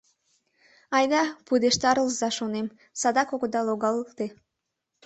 Айда пудештарылза, шонем, садак огыда логалте.